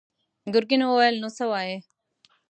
ګرګين وويل: نو څه وايې؟